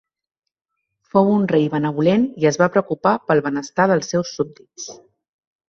Fou un rei benvolent i es va preocupar pel benestar dels seus súbdits.